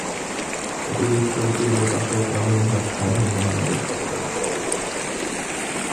এটির উত্তর-পূর্ব পাশে কালুরঘাট স্বাধীন বাংলা বেতার কেন্দ্র অবস্থিত।